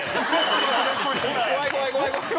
怖い怖い怖い怖い！